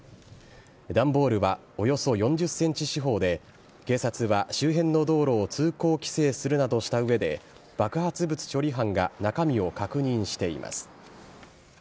段ボールはおよそ４０ｃｍ四方で警察は周辺の道路を通行規制するなどした上で爆発物処理班が中身を確認しています。